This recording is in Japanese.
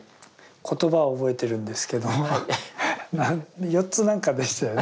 言葉は覚えてるんですけども四つ何かでしたよね。